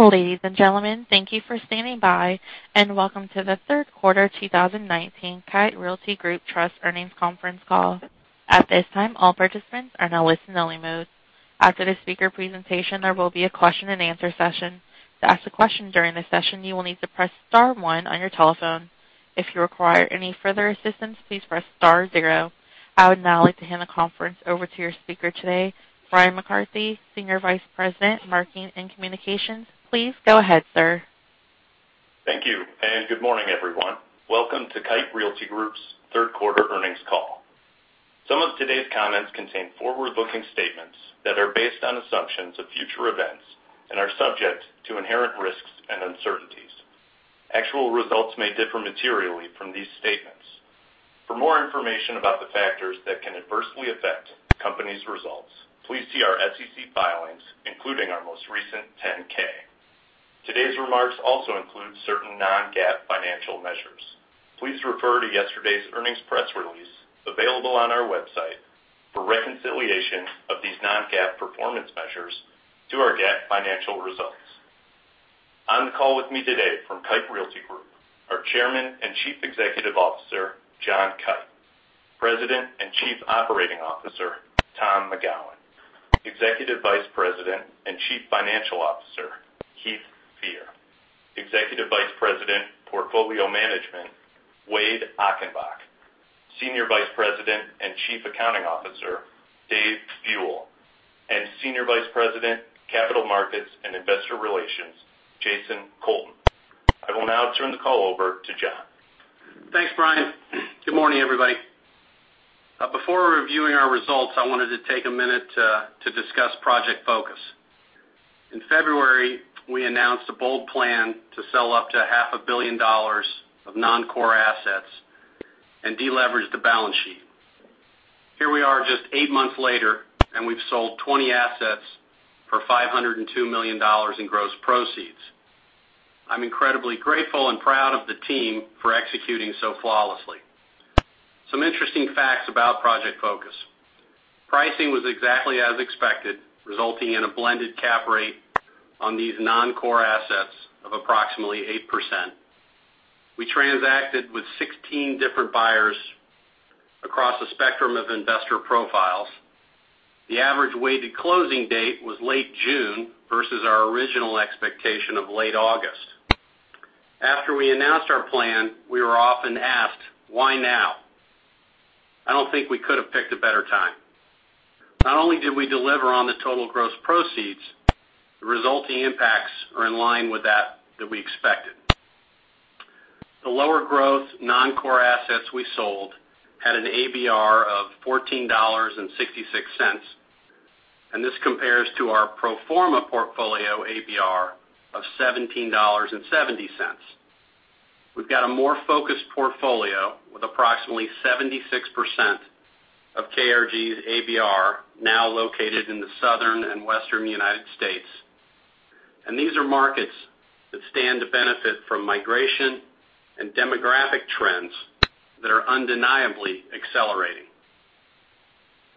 Ladies and gentlemen, thank you for standing by, and welcome to the third quarter 2019 Kite Realty Group Trust Earnings Conference Call. At this time, all participants are in a listen only mode. After the speaker presentation, there will be a question and answer session. To ask a question during the session, you will need to press star one on your telephone. If you require any further assistance, please press star zero. I would now like to hand the conference over to your speaker today, Bryan McCarthy, Senior Vice President, Marketing and Communications. Please go ahead, sir. Thank you. Good morning, everyone. Welcome to Kite Realty Group's third quarter earnings call. Some of today's comments contain forward-looking statements that are based on assumptions of future events and are subject to inherent risks and uncertainties. Actual results may differ materially from these statements. For more information about the factors that can adversely affect the company's results, please see our SEC filings, including our most recent 10-K. Today's remarks also include certain non-GAAP financial measures. Please refer to yesterday's earnings press release available on our website for reconciliation of these non-GAAP performance measures to our GAAP financial results. On the call with me today from Kite Realty Group, are Chairman and Chief Executive Officer, John Kite, President and Chief Operating Officer, Tom McGowan, Executive Vice President and Chief Financial Officer, Heath Fear, Executive Vice President, Portfolio Management, Wade Achenbach, Senior Vice President and Chief Accounting Officer, Dave Buell, and Senior Vice President, Capital Markets and Investor Relations, Jason Colton. I will now turn the call over to John. Thanks, Bryan. Good morning, everybody. Before reviewing our results, I wanted to take a minute to discuss Project Focus. In February, we announced a bold plan to sell up to half a billion dollars of non-core assets and de-leverage the balance sheet. Here we are just eight months later, we've sold 20 assets for $502 million in gross proceeds. I'm incredibly grateful and proud of the team for executing so flawlessly. Some interesting facts about Project Focus. Pricing was exactly as expected, resulting in a blended cap rate on these non-core assets of approximately 8%. We transacted with 16 different buyers across a spectrum of investor profiles. The average weighted closing date was late June versus our original expectation of late August. After we announced our plan, we were often asked, "Why now?" I don't think we could have picked a better time. Not only did we deliver on the total gross proceeds, the resulting impacts are in line with that we expected. The lower growth non-core assets we sold had an ABR of $14.66. This compares to our pro forma portfolio ABR of $17.70. We've got a more focused portfolio with approximately 76% of KRG's ABR now located in the Southern and Western United States. These are markets that stand to benefit from migration and demographic trends that are undeniably accelerating.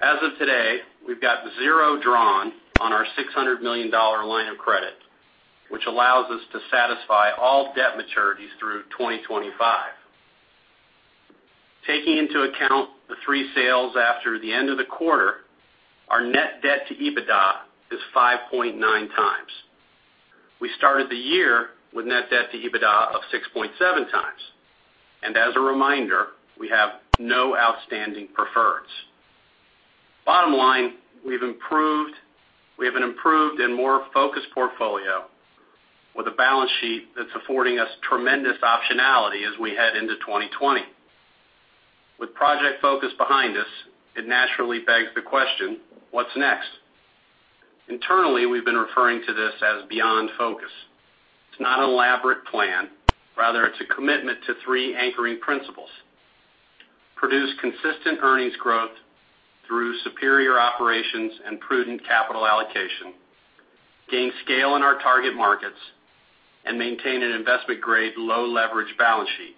As of today, we've got zero drawn on our $600 million line of credit, which allows us to satisfy all debt maturities through 2025. Taking into account the three sales after the end of the quarter, our net debt to EBITDA is 5.9 times. We started the year with net debt to EBITDA of 6.7 times. As a reminder, we have no outstanding preferreds. Bottom line, we have an improved and more focused portfolio with a balance sheet that's affording us tremendous optionality as we head into 2020. With Project Focus behind us, it naturally begs the question, what's next? Internally, we've been referring to this as Beyond Focus. It's not an elaborate plan. Rather, it's a commitment to three anchoring principles: produce consistent earnings growth through superior operations and prudent capital allocation, gain scale in our target markets, and maintain an investment-grade, low leverage balance sheet.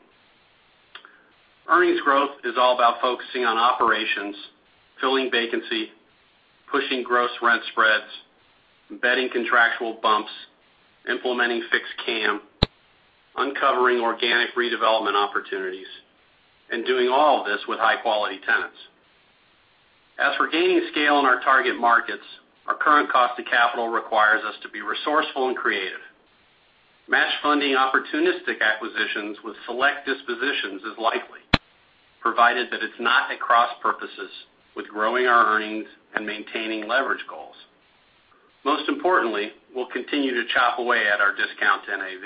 Earnings growth is all about focusing on operations, filling vacancy, pushing gross rent spreads, embedding contractual bumps, implementing fixed CAM, uncovering organic redevelopment opportunities, and doing all of this with high-quality tenants. As for gaining scale in our target markets, our current cost of capital requires us to be resourceful and creative. Match funding opportunistic acquisitions with select dispositions is likely, provided that it's not at cross-purposes with growing our earnings and maintaining leverage goals. Most importantly, we'll continue to chop away at our discount to NAV.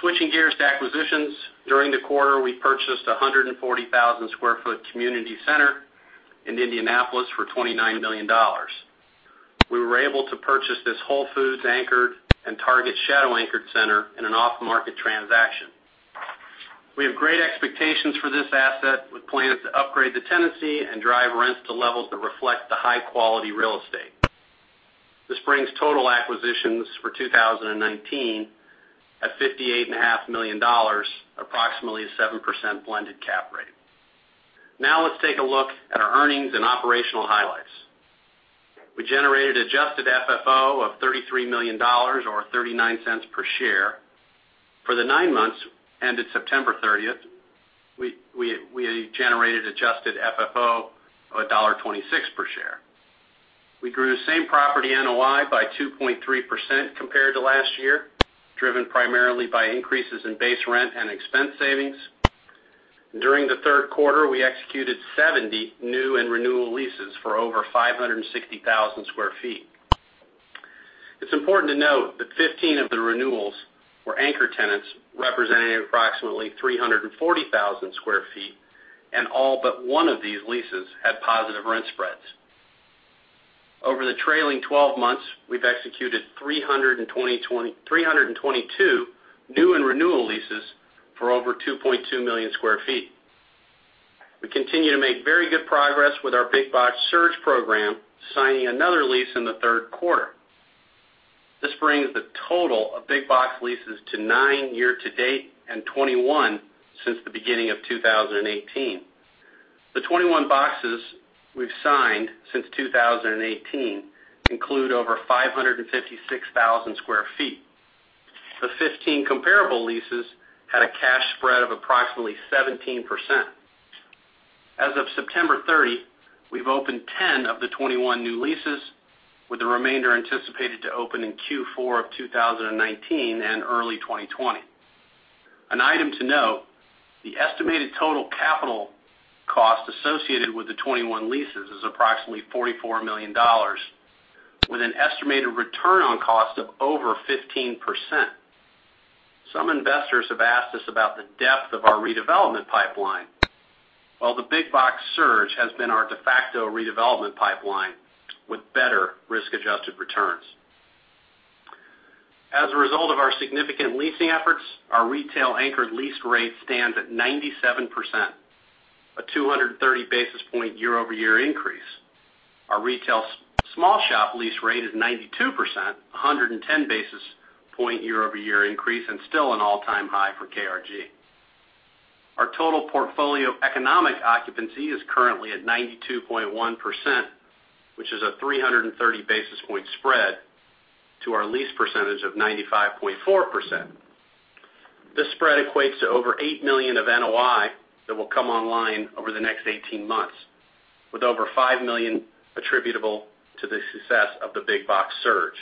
Switching gears to acquisitions, during the quarter, we purchased 140,000 sq ft community center in Indianapolis for $29 million. We were able to purchase this Whole Foods-anchored and Target shadow-anchored center in an off-market transaction. We have great expectations for this asset, with plans to upgrade the tenancy and drive rents to levels that reflect the high-quality real estate. This brings total acquisitions for 2019 at $58.5 million, approximately a 7% blended cap rate. Let's take a look at our earnings and operational highlights. We generated adjusted FFO of $33 million or $0.39 per share. For the nine months ended September 30th, we generated adjusted FFO of $1.26 per share. We grew same property NOI by 2.3% compared to last year, driven primarily by increases in base rent and expense savings. During the third quarter, we executed 70 new and renewal leases for over 560,000 sq ft. It's important to note that 15 of the renewals were anchor tenants, representing approximately 340,000 sq ft, and all but one of these leases had positive rent spreads. Over the trailing 12 months, we've executed 322 new and renewal leases for over 2.2 million sq ft. We continue to make very good progress with our big box surge program, signing another lease in the third quarter. This brings the total of big box leases to nine year to date and 21 since the beginning of 2018. The 21 boxes we've signed since 2018 include over 556,000 sq ft. The 15 comparable leases had a cash spread of approximately 17%. As of September 30, we've opened 10 of the 21 new leases, with the remainder anticipated to open in Q4 of 2019 and early 2020. An item to note, the estimated total capital cost associated with the 21 leases is approximately $44 million, with an estimated return on cost of over 15%. Some investors have asked us about the depth of our redevelopment pipeline. While the big box surge has been our de facto redevelopment pipeline with better risk-adjusted returns. As a result of our significant leasing efforts, our retail anchored lease rate stands at 97%, a 230 basis point year-over-year increase. Our retail small shop lease rate is 92%, 110 basis point year-over-year increase, and still an all-time high for KRG. Our total portfolio economic occupancy is currently at 92.1%, which is a 330 basis point spread to our lease percentage of 95.4%. This spread equates to over $8 million of NOI that will come online over the next 18 months, with over $5 million attributable to the success of the big box surge.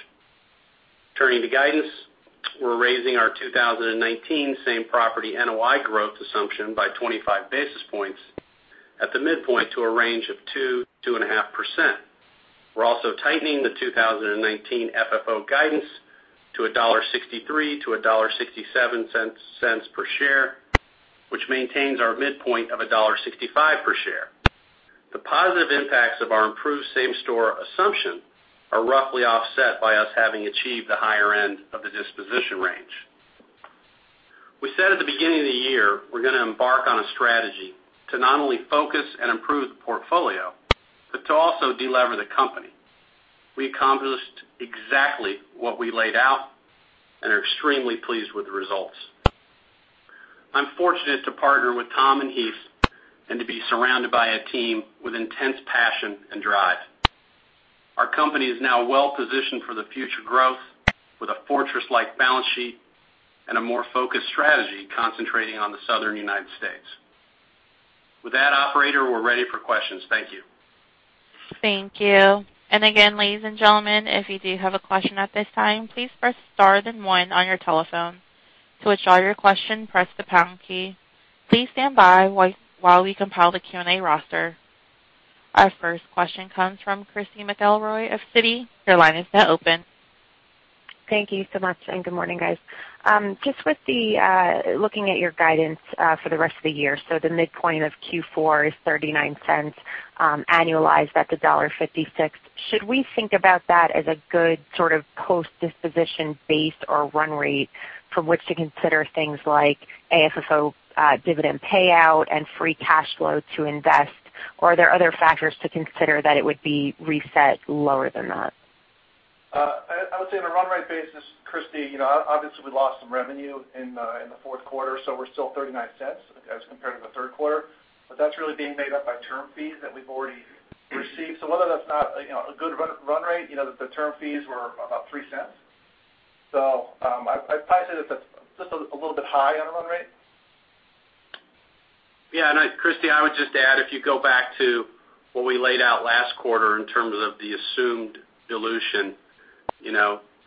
Turning to guidance, we're raising our 2019 same property NOI growth assumption by 25 basis points at the midpoint to a range of 2%-2.5%. We're also tightening the 2019 FFO guidance to $1.63-$1.67 per share, which maintains our midpoint of $1.65 per share. The positive impacts of our improved same-store assumption are roughly offset by us having achieved the higher end of the disposition range. We said at the beginning of the year we're going to embark on a strategy to not only focus and improve the portfolio, but to also delever the company. We accomplished exactly what we laid out and are extremely pleased with the results. I'm fortunate to partner with Tom and Heath and to be surrounded by a team with intense passion and drive. Our company is now well-positioned for the future growth with a fortress-like balance sheet and a more focused strategy concentrating on the Southern United States. With that, operator, we're ready for questions. Thank you. Thank you. Again, ladies and gentlemen, if you do have a question at this time, please press star then one on your telephone. To withdraw your question, press the pound key. Please stand by while we compile the Q&A roster. Our first question comes from Christy McElroy of Citi. Your line is now open. Thank you so much, and good morning, guys. Just with the looking at your guidance for the rest of the year, so the midpoint of Q4 is $0.39, annualized at the $1.56. Should we think about that as a good sort of post-disposition base or run rate from which to consider things like AFFO dividend payout and free cash flow to invest? Or are there other factors to consider that it would be reset lower than that? I would say on a run rate basis, Christy, obviously we lost some revenue in the fourth quarter, so we're still $0.39 as compared to the third quarter. That's really being made up by term fees that we've already received. Whether that's not a good run rate, the term fees were about $0.03. I'd probably say that's just a little bit high on a run rate. Yeah, I know, Christy, I would just add, if you go back to what we laid out last quarter in terms of the assumed dilution,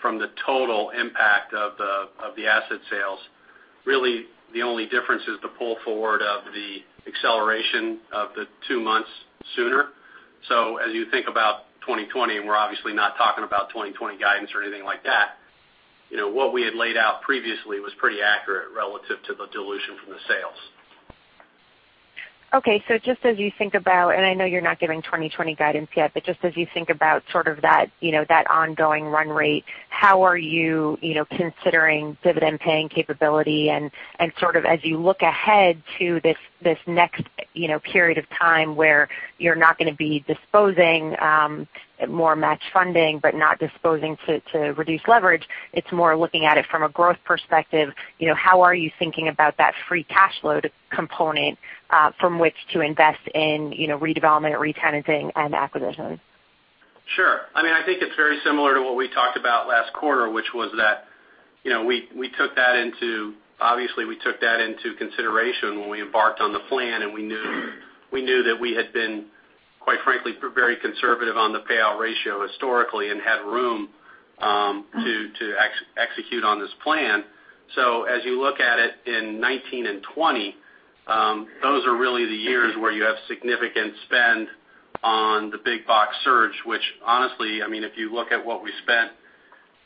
from the total impact of the asset sales, really the only difference is the pull forward of the acceleration of the two months sooner. As you think about 2020, and we're obviously not talking about 2020 guidance or anything like that, what we had laid out previously was pretty accurate relative to the dilution from the sales. Just as you think about, and I know you're not giving 2020 guidance yet, just as you think about sort of that ongoing run rate, how are you considering dividend paying capability and sort of as you look ahead to this next period of time where you're not going to be disposing more match funding, not disposing to reduce leverage, it's more looking at it from a growth perspective. How are you thinking about that free cash flow to component from which to invest in redevelopment, retenanting, and acquisitions? Sure. I think it's very similar to what we talked about last quarter, which was that obviously, we took that into consideration when we embarked on the plan, and we knew that we had been, quite frankly, very conservative on the payout ratio historically and had room to execute on this plan. As you look at it in 2019 and 2020, those are really the years where you have significant spend on the big box surge, which honestly, if you look at what we spent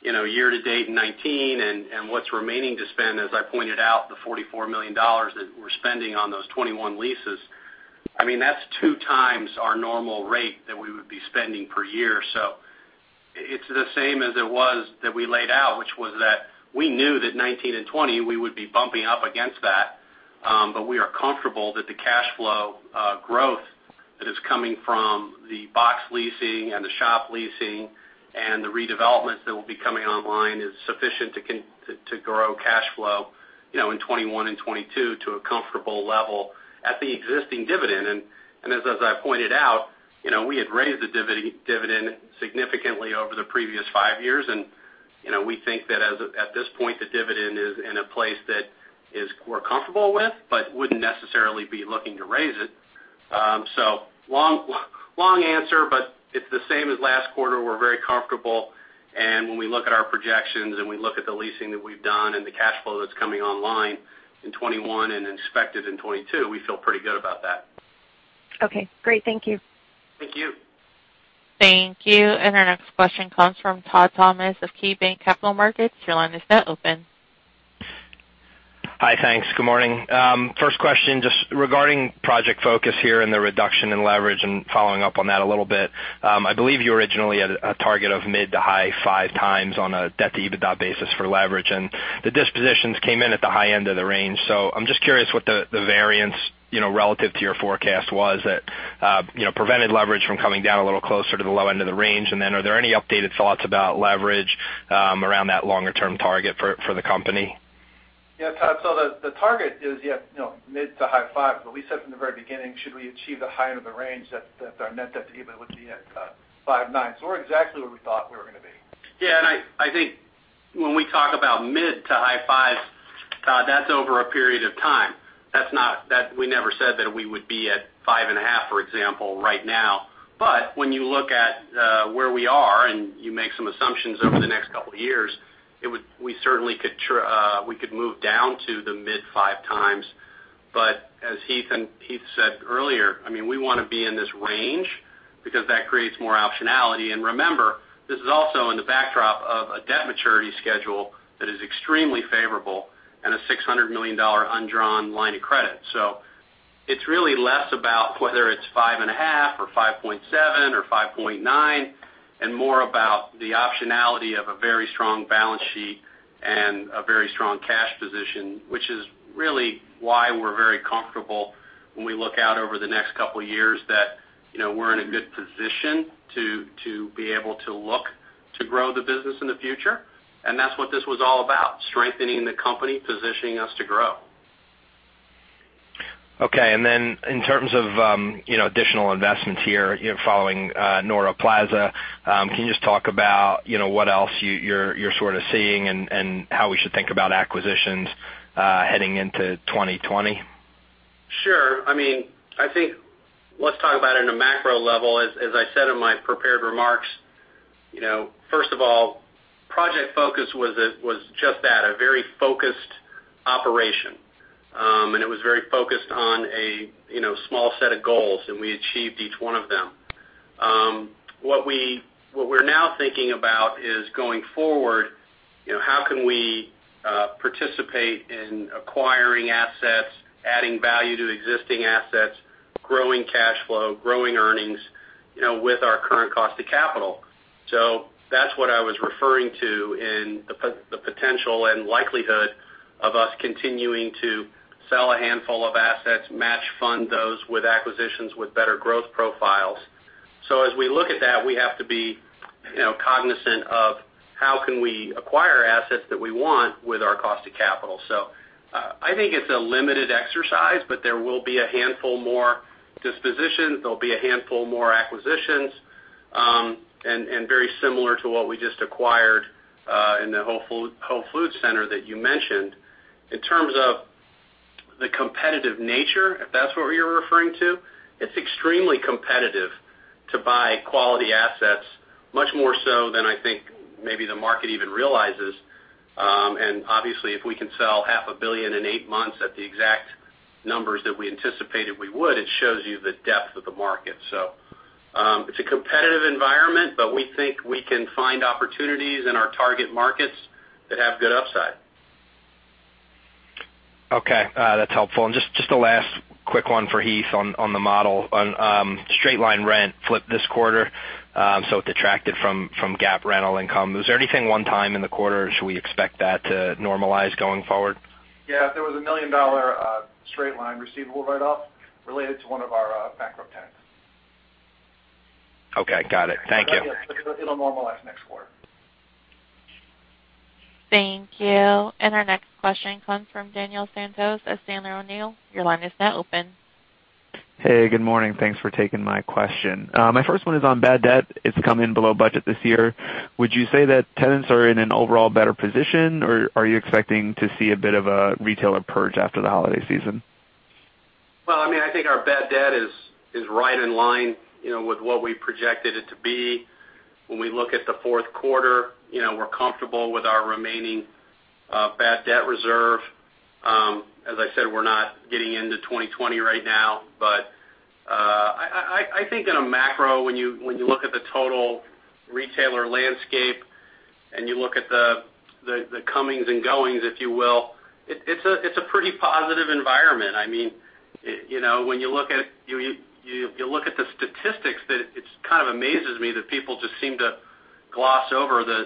year-to-date in 2019 and what's remaining to spend, as I pointed out, the $44 million that we're spending on those 21 leases, that's two times our normal rate that we would be spending per year. It's the same as it was that we laid out, which was that we knew that 2019 and 2020, we would be bumping up against that. We are comfortable that the cash flow growth that is coming from the box leasing and the shop leasing and the redevelopments that will be coming online is sufficient to grow cash flow in 2021 and 2022 to a comfortable level at the existing dividend. As I pointed out, we had raised the dividend significantly over the previous five years, and we think that at this point, the dividend is in a place that we're comfortable with, but wouldn't necessarily be looking to raise it. Long answer, but it's the same as last quarter. We're very comfortable, and when we look at our projections and we look at the leasing that we've done and the cash flow that's coming online in 2021 and inspected in 2022, we feel pretty good about that. Okay, great. Thank you. Thank you. Thank you. Our next question comes from Todd Thomas of KeyBanc Capital Markets. Your line is now open. Hi, thanks. Good morning. First question, just regarding Project Focus here and the reduction in leverage and following up on that a little bit. I believe you originally had a target of mid to high five times on a debt-to-EBITDA basis for leverage, and the dispositions came in at the high end of the range. I'm just curious what the variance, relative to your forecast was that prevented leverage from coming down a little closer to the low end of the range. Are there any updated thoughts about leverage around that longer-term target for the company? Yeah, Todd, the target is mid to high five, but we said from the very beginning, should we achieve the high end of the range, that's our net debt to EBITDA at 5.9. We're exactly where we thought we were going to be. Yeah, I think when we talk about mid to high fives, Todd, that's over a period of time. We never said that we would be at five and a half, for example, right now. When you look at where we are, and you make some assumptions over the next couple of years, we could move down to the mid five times. As Heath said earlier, we want to be in this range because that creates more optionality. Remember, this is also in the backdrop of a debt maturity schedule that is extremely favorable and a $600 million undrawn line of credit. It's really less about whether it's 5.5 or 5.7 or 5.9, and more about the optionality of a very strong balance sheet and a very strong cash position, which is really why we're very comfortable when we look out over the next couple of years that we're in a good position to be able to look to grow the business in the future. That's what this was all about, strengthening the company, positioning us to grow. Okay. In terms of additional investments here following Nora Plaza, can you just talk about what else you're sort of seeing and how we should think about acquisitions heading into 2020? Sure. I think let's talk about it in a macro level. As I said in my prepared remarks, first of all, Project Focus was just that, a very focused operation. It was very focused on a small set of goals, and we achieved each one of them. What we're now thinking about is going forward, how can we participate in acquiring assets, adding value to existing assets, growing cash flow, growing earnings, with our current cost of capital. That's what I was referring to in the potential and likelihood of us continuing to sell a handful of assets, match fund those with acquisitions with better growth profiles. As we look at that, we have to be cognizant of how can we acquire assets that we want with our cost of capital. I think it's a limited exercise, but there will be a handful more dispositions, there'll be a handful more acquisitions, and very similar to what we just acquired in the Whole Foods center that you mentioned. In terms of the competitive nature, if that's what you're referring to, it's extremely competitive to buy quality assets, much more so than I think maybe the market even realizes. Obviously, if we can sell half a billion in 8 months at the exact numbers that we anticipated we would, it shows you the depth of the market. It's a competitive environment, but we think we can find opportunities in our target markets that have good upside. Okay. That's helpful. Just a last quick one for Heath on the model. Straight line rent flipped this quarter, so it detracted from GAAP rental income. Was there anything one time in the quarter? Should we expect that to normalize going forward? There was a $1 million straight line receivable write-off related to one of our bankrupt tenants. Okay, got it. Thank you. It'll normalize next quarter. Thank you. Our next question comes from Daniel Santos of Sandler O'Neill. Your line is now open. Hey, good morning. Thanks for taking my question. My first one is on bad debt. It's come in below budget this year. Would you say that tenants are in an overall better position, or are you expecting to see a bit of a retailer purge after the holiday season? Well, I think our bad debt is right in line with what we projected it to be. When we look at the fourth quarter, we're comfortable with our remaining bad debt reserve. As I said, we're not getting into 2020 right now. I think in a macro, when you look at the total retailer landscape, and you look at the comings and goings, if you will, it's a pretty positive environment. When you look at the statistics, that it kind of amazes me that people just seem to gloss over the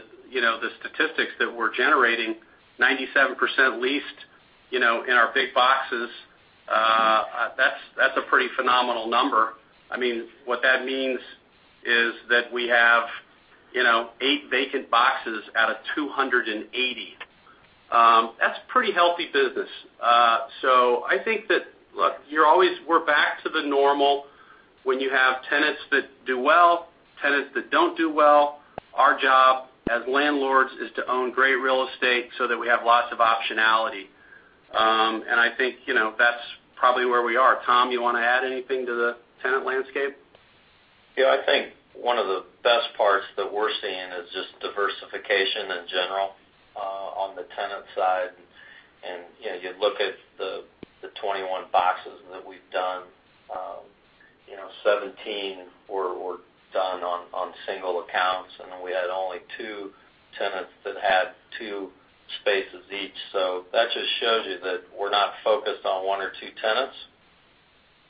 statistics that we're generating. 97% leased in our big boxes. That's a pretty phenomenal number. What that means is that we have eight vacant boxes out of 280. That's pretty healthy business. I think that, look, we're back to the normal when you have tenants that do well, tenants that don't do well. Our job as landlords is to own great real estate so that we have lots of optionality. I think that's probably where we are. Tom, you want to add anything to the tenant landscape? Yeah, I think one of the best parts that we're seeing is just diversification in general on the tenant side. You look at the 21 boxes that we've done, 17 were done on single accounts, then we had only two tenants that had two spaces each. That just shows you that we're not focused on one or two tenants.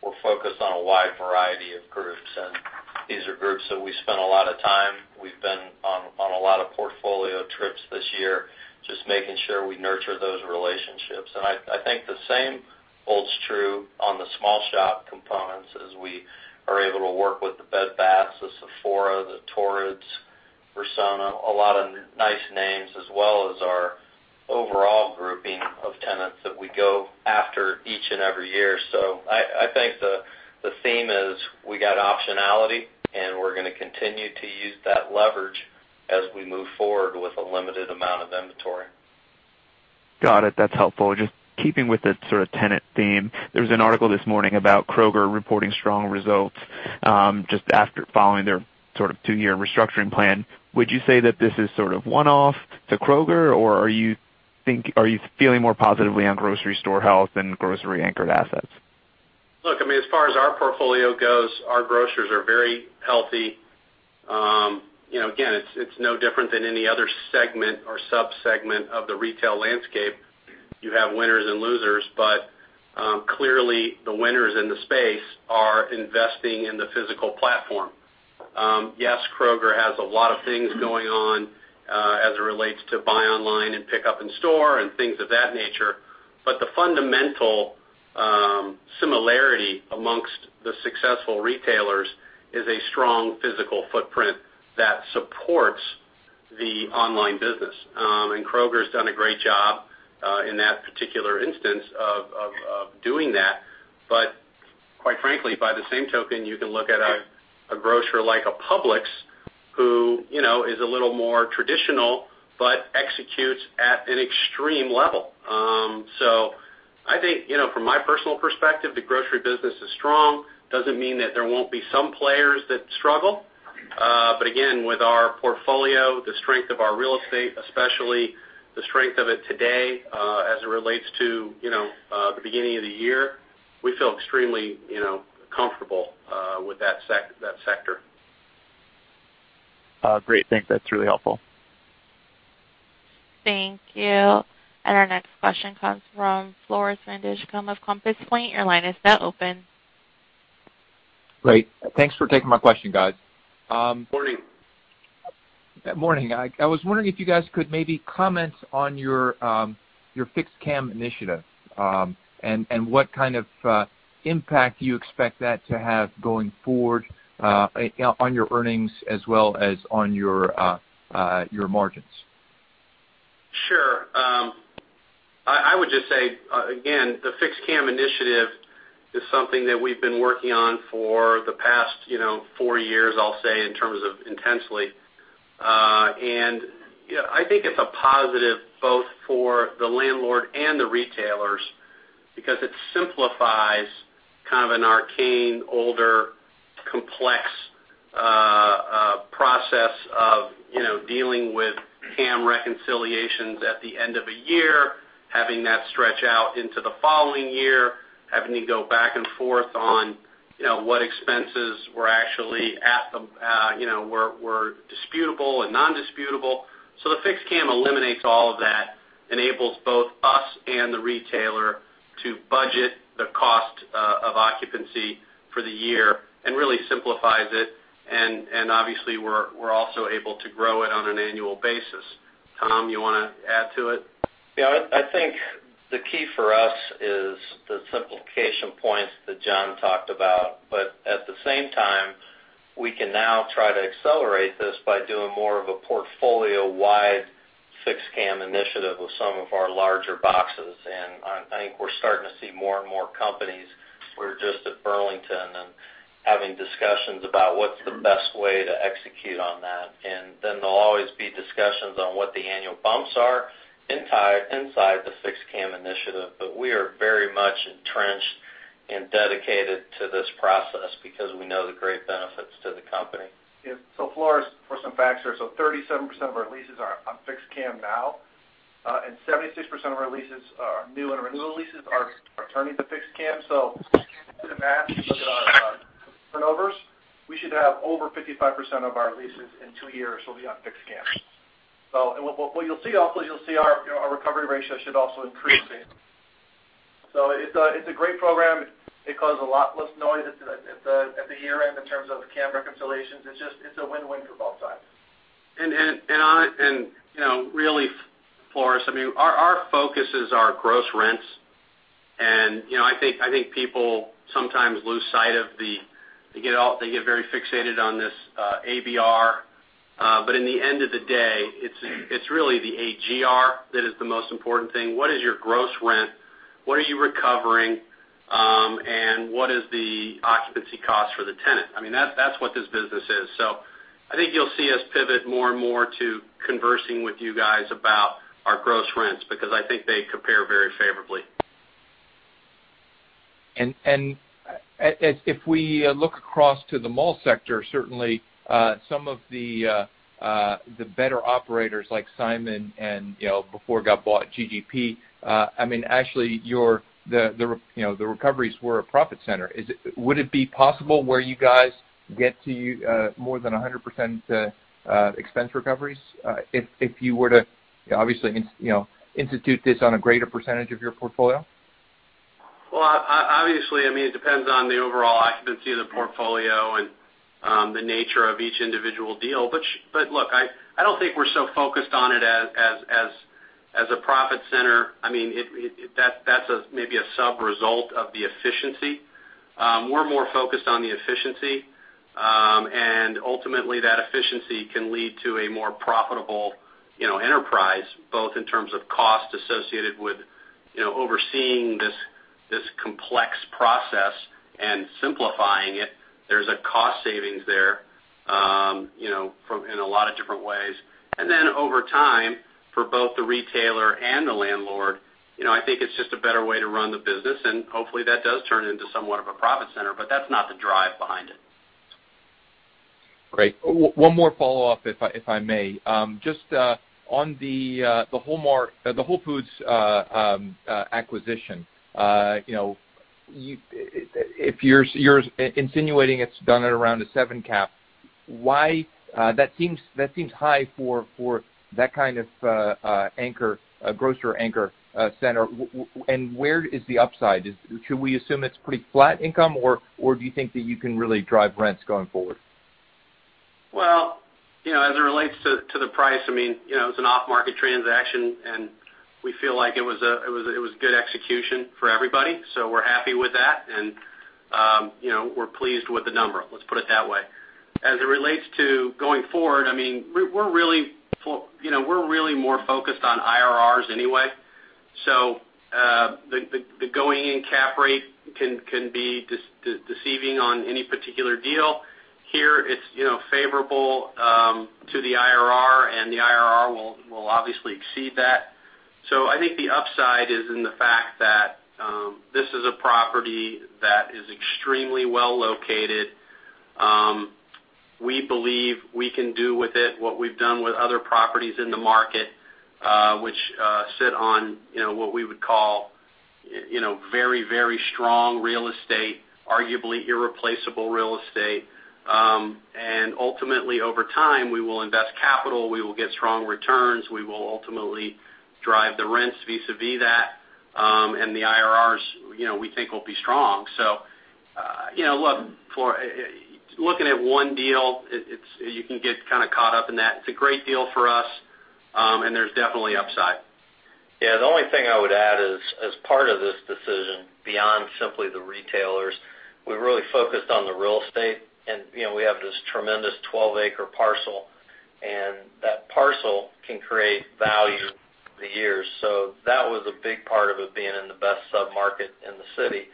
We're focused on a wide variety of groups, and these are groups that we spent a lot of time. We've been on a lot of portfolio trips this year, just making sure we nurture those relationships. I think the same holds true on the small shop components as we are able to work with the Bed Baths, the Sephora, the Torrid's, Versona, a lot of nice names, as well as our overall grouping of tenants that we go after each and every year. I think the theme is we got optionality, and we're going to continue to use that leverage as we move forward with a limited amount of inventory. Got it. That's helpful. Just keeping with the sort of tenant theme, there was an article this morning about Kroger reporting strong results just after following their sort of two-year restructuring plan. Would you say that this is sort of one-off to Kroger, or are you feeling more positively on grocery store health and grocery anchored assets? Look, as far as our portfolio goes, our grocers are very healthy. It's no different than any other segment or sub-segment of the retail landscape. You have winners and losers, clearly the winners in the space are investing in the physical platform. Kroger has a lot of things going on as it relates to buy online and pick up in store and things of that nature. The fundamental similarity amongst the successful retailers is a strong physical footprint that supports the online business. Kroger's done a great job in that particular instance of doing that. Quite frankly, by the same token, you can look at a grocer like a Publix who is a little more traditional, but executes at an extreme level. I think from my personal perspective, the grocery business is strong. Doesn't mean that there won't be some players that struggle. Again, with our portfolio, the strength of our real estate, especially the strength of it today as it relates to the beginning of the year, we feel extremely comfortable with that sector. Great, thanks. That's really helpful. Thank you. Our next question comes from Floris van Dijkum of Compass Point. Your line is now open. Great. Thanks for taking my question, guys. Morning. Morning. I was wondering if you guys could maybe comment on your fixed CAM initiative, and what kind of impact you expect that to have going forward on your earnings as well as on your margins? Sure. I would just say, again, the fixed CAM initiative is something that we've been working on for the past four years, I'll say, in terms of intensely. I think it's a positive both for the landlord and the retailers because it simplifies kind of an arcane, older, complex process of dealing with CAM reconciliations at the end of a year, having that stretch out into the following year, having to go back and forth on what expenses were disputable and non-disputable. The fixed CAM eliminates all of that, enables both us and the retailer to budget the cost of occupancy for the year and really simplifies it. Obviously, we're also able to grow it on an annual basis. Tom, you want to add to it? Yeah. I think the key for us. The simplification points that John talked about. At the same time, we can now try to accelerate this by doing more of a portfolio-wide fixed CAM initiative with some of our larger boxes. I think we're starting to see more and more companies. We were just at Burlington and having discussions about what's the best way to execute on that. There'll always be discussions on what the annual bumps are inside the fixed CAM initiative. We are very much entrenched and dedicated to this process because we know the great benefits to the company. Yeah. Floris, for some facts here. 37% of our leases are on fixed CAM now, and 76% of our leases are new, and renewal leases are turning to fixed CAM. Do the math, look at our turnovers, we should have over 55% of our leases in two years will be on fixed CAM. What you'll see also, you'll see our recovery ratio should also increase. It's a great program. It causes a lot less noise at the year-end in terms of CAM reconciliations. It's a win-win for both sides. Really, Floris, our focus is our gross rents. I think people sometimes lose sight of. They get very fixated on this ABR. In the end of the day, it's really the AGR that is the most important thing. What is your gross rent? What are you recovering? What is the occupancy cost for the tenant? That's what this business is. I think you'll see us pivot more and more to conversing with you guys about our gross rents, because I think they compare very favorably. If we look across to the mall sector, certainly, some of the better operators like Simon and, before it got bought, GGP, actually, the recoveries were a profit center. Would it be possible where you guys get to more than 100% expense recoveries, if you were to obviously institute this on a greater percentage of your portfolio? Obviously, it depends on the overall occupancy of the portfolio and the nature of each individual deal. Look, I don't think we're so focused on it as a profit center. That's maybe a sub-result of the efficiency. We're more focused on the efficiency. Ultimately, that efficiency can lead to a more profitable enterprise, both in terms of cost associated with overseeing this complex process and simplifying it. There's a cost savings there in a lot of different ways. Over time, for both the retailer and the landlord, I think it's just a better way to run the business, and hopefully, that does turn into somewhat of a profit center, but that's not the drive behind it. Great. One more follow-up, if I may. Just on the Whole Foods acquisition. If you're insinuating it's done at around a seven cap, that seems high for that kind of grocer anchor center. Where is the upside? Should we assume it's pretty flat income, or do you think that you can really drive rents going forward? As it relates to the price, it's an off-market transaction, and we feel like it was good execution for everybody. We're happy with that, and we're pleased with the number, let's put it that way. As it relates to going forward, we're really more focused on IRRs anyway. The going-in cap rate can be deceiving on any particular deal. Here, it's favorable to the IRR, and the IRR will obviously exceed that. I think the upside is in the fact that this is a property that is extremely well-located. We believe we can do with it what we've done with other properties in the market, which sit on what we would call very strong real estate, arguably irreplaceable real estate. Ultimately, over time, we will invest capital, we will get strong returns, we will ultimately drive the rents vis-a-vis that, and the IRRs, we think will be strong. Looking at one deal, you can get kind of caught up in that. It's a great deal for us, and there's definitely upside. Yeah. The only thing I would add is part of this decision, beyond simply the retailers, we've really focused on the real estate, and we have this tremendous 12-acre parcel, and that parcel can create value over the years. That was a big part of it being in the best sub-market in the city.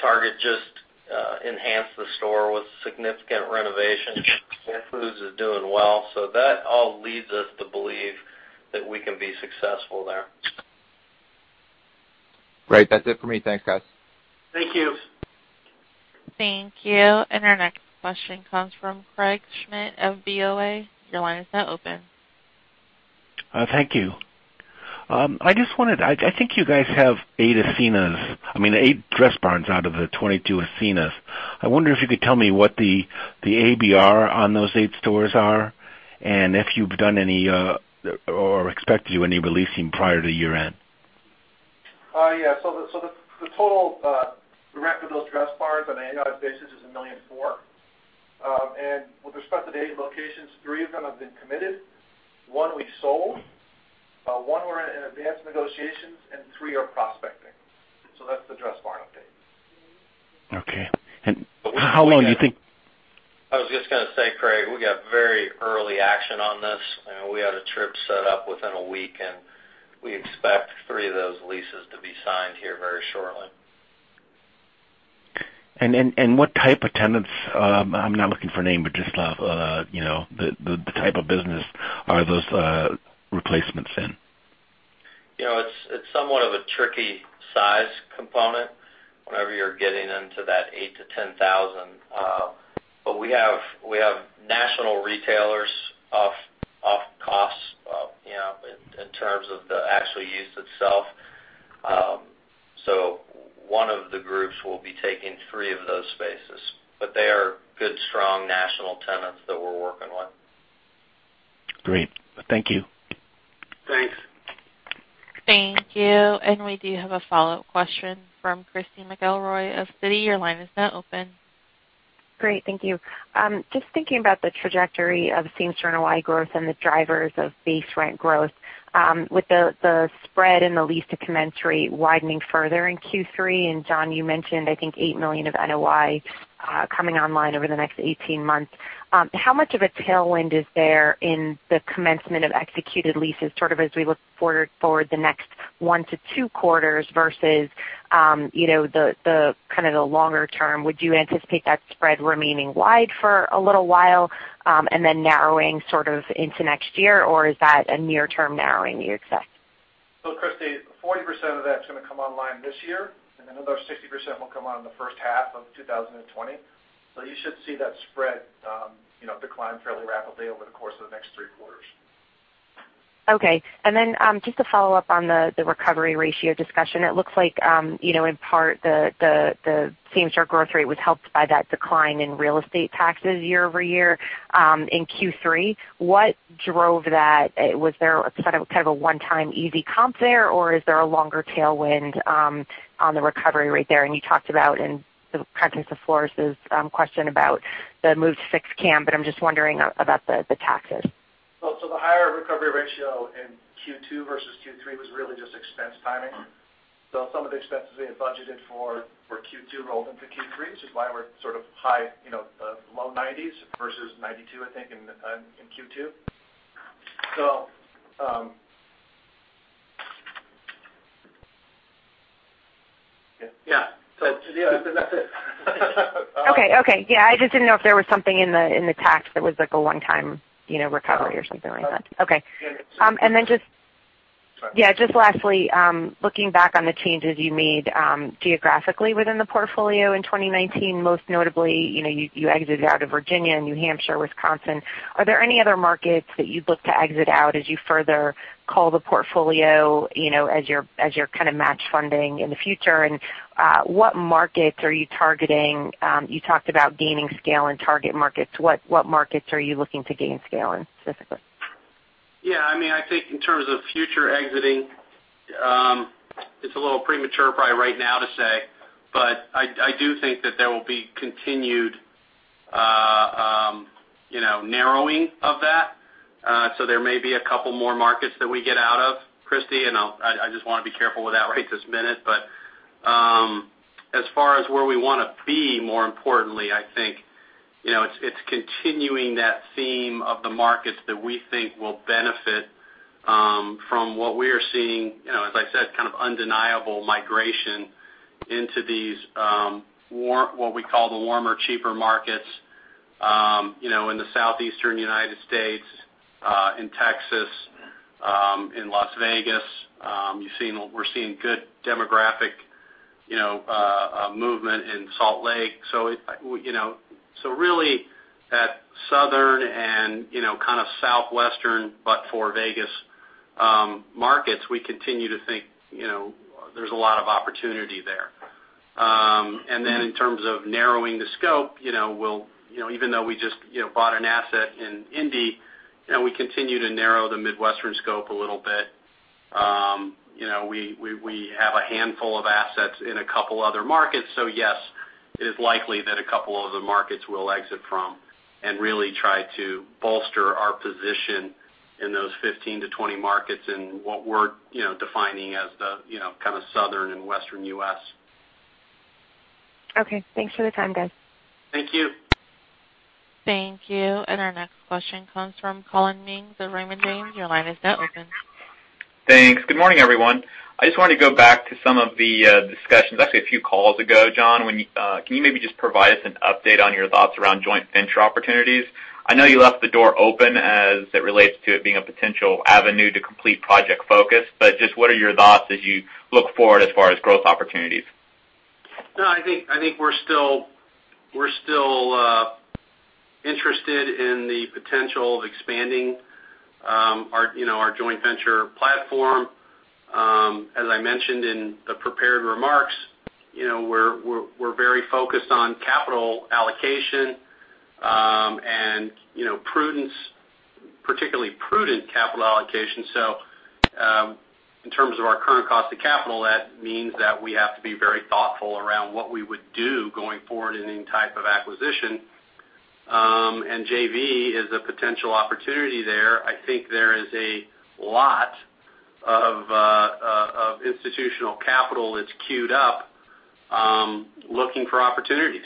Target just enhanced the store with significant renovations. Whole Foods is doing well. That all leads us to believe that we can be successful there. Great. That's it for me. Thanks, guys. Thank you. Thank you. Our next question comes from Craig Schmidt of BOA. Your line is now open. Thank you. I think you guys have eight Dressbarn out of the 22 Ascena. I wonder if you could tell me what the ABR on those eight stores are, and if you've done any or expect to do any releasing prior to year-end. Yeah. The total rent for those Dressbarn on an annual basis is $1,000,004. And with respect to date and locations, three of them have been committed. One we sold, one we're in advanced negotiations, and three are prospecting. That's the Dressbarn update. Okay. how long do you think? I was just gonna say, Craig, we got very early action on this. We had a trip set up within a week. We expect three of those leases to be signed here very shortly. What type of tenants, I'm not looking for a name, but just the type of business are those replacements in? It's somewhat of a tricky size component whenever you're getting into that eight to 10,000. We have national retailers off costs in terms of the actual use itself. One of the groups will be taking three of those spaces. They are good, strong national tenants that we're working with. Great. Thank you. Thanks. Thank you. We do have a follow-up question from Christy McElroy of Citi. Your line is now open. Great. Thank you. Just thinking about the trajectory of same-store NOI growth and the drivers of base rent growth. With the spread in the lease to commence rate widening further in Q3, John, you mentioned, I think, $8 million of NOI coming online over the next 18 months. How much of a tailwind is there in the commencement of executed leases sort of as we look forward the next one to two quarters versus the kind of the longer term? Would you anticipate that spread remaining wide for a little while, then narrowing sort of into next year? Is that a near-term narrowing you expect? Christy, 40% of that's gonna come online this year, and another 60% will come on in the first half of 2020. You should see that spread decline fairly rapidly over the course of the next three quarters. Okay. Just to follow up on the recovery ratio discussion, it looks like, in part, the same-store growth rate was helped by that decline in real estate taxes year-over-year, in Q3. What drove that? Was there sort of, kind of a one-time easy comp there, or is there a longer tailwind on the recovery rate there? You talked about in the context of Floris's question about the move to fixed CAM, but I'm just wondering about the taxes. The higher recovery ratio in Q2 versus Q3 was really just expense timing. Some of the expenses we had budgeted for Q2 rolled into Q3, which is why we're sort of high, low 90s versus 92, I think, in Q2. Yeah. Yeah. That's it. Okay. Yeah. I just didn't know if there was something in the tax that was, like, a one-time recovery or something like that. No. Okay. Yeah. And then just- Sorry. Yeah, just lastly, looking back on the changes you made geographically within the portfolio in 2019, most notably, you exited out of Virginia and New Hampshire, Wisconsin. Are there any other markets that you'd look to exit out as you further cull the portfolio as you're kind of match funding in the future? What markets are you targeting? You talked about gaining scale in target markets. What markets are you looking to gain scale in specifically? Yeah. I think in terms of future exiting, it's a little premature probably right now to say, but I do think that there will be continued narrowing of that. There may be a couple more markets that we get out of, Christy, and I just wanna be careful with that right this minute. As far as where we wanna be, more importantly, I think, it's continuing that theme of the markets that we think will benefit from what we are seeing, as I said, kind of undeniable migration into these, what we call the warmer, cheaper markets, in the southeastern United States, in Texas, in Las Vegas. We're seeing good demographic movement in Salt Lake. Really that southern and kind of southwestern, but for Vegas markets, we continue to think there's a lot of opportunity there. In terms of narrowing the scope, even though we just bought an asset in Indy, we continue to narrow the Midwestern scope a little bit. We have a handful of assets in a couple other markets. Yes, it is likely that a couple other markets we'll exit from and really try to bolster our position in those 15 to 20 markets in what we're defining as the kind of southern and western U.S. Okay. Thanks for the time, guys. Thank you. Thank you. Our next question comes from Collin Mings of Raymond James. Your line is now open. Thanks. Good morning, everyone. I just wanted to go back to some of the discussions, actually a few calls ago, John. Can you maybe just provide us an update on your thoughts around joint venture opportunities? I know you left the door open as it relates to it being a potential avenue to complete Project Focus, but just what are your thoughts as you look forward as far as growth opportunities? I think we're still interested in the potential of expanding our joint venture platform. As I mentioned in the prepared remarks, we're very focused on capital allocation, Prudent capital allocation. In terms of our current cost of capital, that means that we have to be very thoughtful around what we would do going forward in any type of acquisition. JV is a potential opportunity there. I think there is a lot of institutional capital that's queued up, looking for opportunities.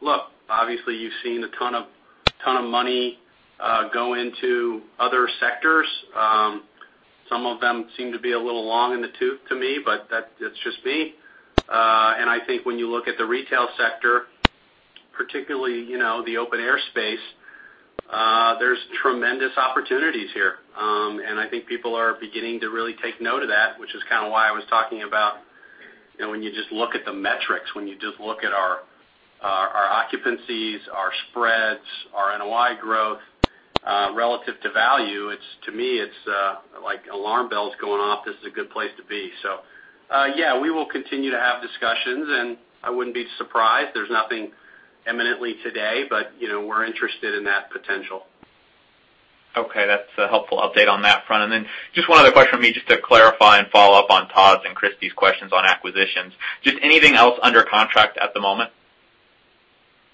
Look, obviously, you've seen a ton of money go into other sectors. Some of them seem to be a little long in the tooth to me, that's just me. I think when you look at the retail sector, particularly, the open air space, there's tremendous opportunities here. I think people are beginning to really take note of that, which is kind of why I was talking about when you just look at the metrics, when you just look at our occupancies, our spreads, our NOI growth, relative to value, to me, it's like alarm bells going off. This is a good place to be. Yeah, we will continue to have discussions, and I wouldn't be surprised. There's nothing imminently today, but we're interested in that potential. Okay. That's a helpful update on that front. Then just one other question from me, just to clarify and follow up on Todd's and Christy's questions on acquisitions. Just anything else under contract at the moment?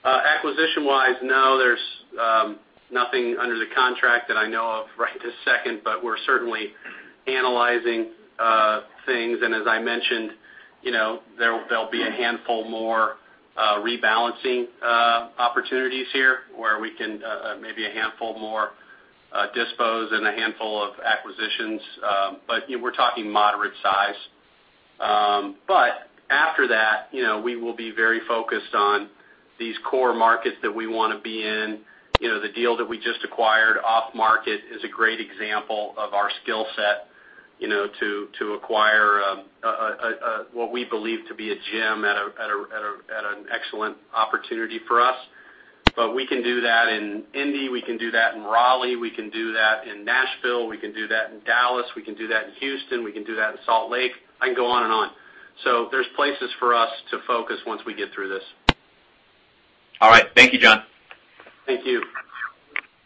Acquisition-wise, no. There's nothing under the contract that I know of right this second, but we're certainly analyzing things. As I mentioned, there'll be a handful more rebalancing opportunities here, where we can, maybe a handful more dispose and a handful of acquisitions. We're talking moderate size. After that, we will be very focused on these core markets that we want to be in. The deal that we just acquired off-market is a great example of our skill set, to acquire, what we believe to be a gem at an excellent opportunity for us. We can do that in Indy, we can do that in Raleigh, we can do that in Nashville, we can do that in Dallas, we can do that in Houston, we can do that in Salt Lake. I can go on and on. There's places for us to focus once we get through this. All right. Thank you, John. Thank you.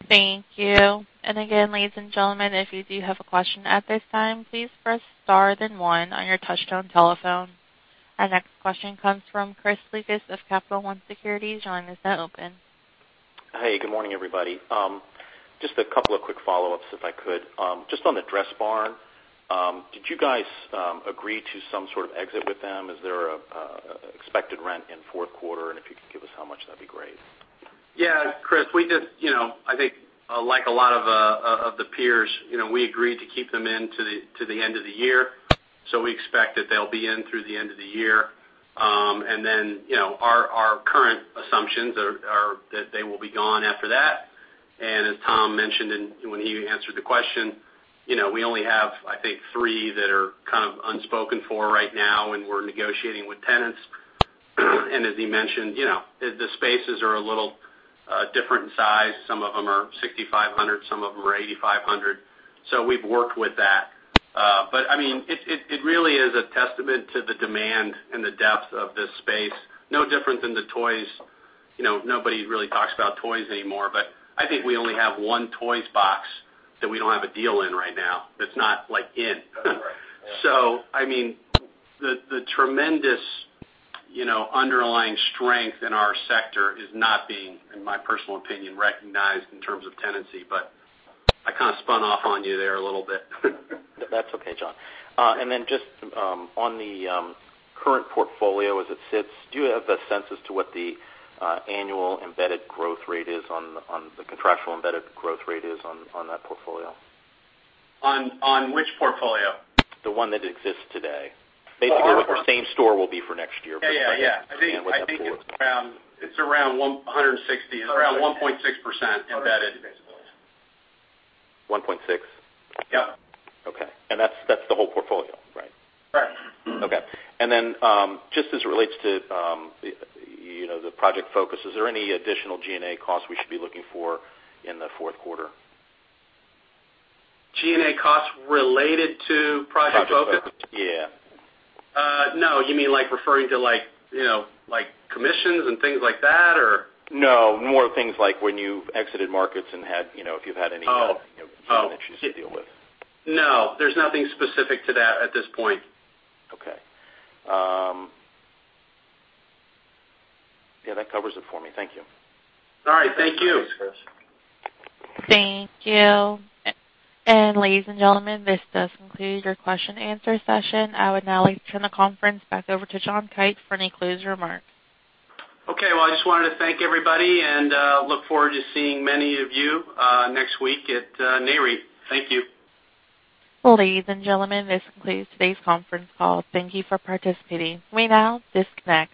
Thank you. Again, ladies and gentlemen, if you do have a question at this time, please press star then one on your touchtone telephone. Our next question comes from Chris Lucas of Capital One Securities. Your line is now open. Hey, good morning, everybody. Just a couple of quick follow-ups, if I could. Just on the Dressbarn, did you guys agree to some sort of exit with them? Is there expected rent in fourth quarter? If you could give us how much, that'd be great. Chris, like a lot of the peers, we agreed to keep them in to the end of the year. We expect that they'll be in through the end of the year. Our current assumptions are that they will be gone after that. As Tom mentioned when he answered the question, we only have, I think, three that are kind of unspoken for right now, and we're negotiating with tenants. As he mentioned, the spaces are a little different size. Some of them are 6,500, some of them are 8,500. We've worked with that. It really is a testament to the demand and the depth of this space. No different than the toys. Nobody really talks about toys anymore, but I think we only have one Toysbox that we don't have a deal in right now. That's not like in. The tremendous underlying strength in our sector is not being, in my personal opinion, recognized in terms of tenancy. I kind of spun off on you there a little bit. That's okay, John. Then just on the current portfolio as it sits, do you have a sense as to what the annual embedded growth rate is on the contractual embedded growth rate is on that portfolio? On which portfolio? The one that exists today. Oh. Basically, what the same store will be for next year. Yeah. I think it's around $160 around 1.6% embedded. 1.6? Yep. Okay. That's the whole portfolio, right? Right. Okay. Just as it relates to the Project Focus, is there any additional G&A cost we should be looking for in the fourth quarter? G&A cost related to Project Focus? Project Focus. Yeah. No. You mean, like, referring to, like, commissions and things like that, or? No. More things like when you've exited markets and if you've had. Oh. issues to deal with. No. There's nothing specific to that at this point. Okay. Yeah, that covers it for me. Thank you. All right. Thank you. Thanks, Chris. Thank you. Ladies and gentlemen, this does conclude your question and answer session. I would now like to turn the conference back over to John Kite for any closing remarks. Okay. Well, I just wanted to thank everybody and look forward to seeing many of you next week at Nareit. Thank you. Ladies and gentlemen, this concludes today's conference call. Thank you for participating. You may now disconnect.